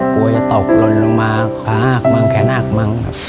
กลัวจะตกลนลงมาพระอาคมังแขนอาคมังครับ